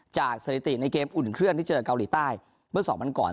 สถิติในเกมอุ่นเครื่องที่เจอเกาหลีใต้เมื่อสองวันก่อน